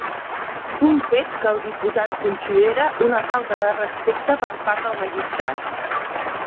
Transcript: Un fet que el diputat considera una ‘falta de respecte’ per part del magistrat.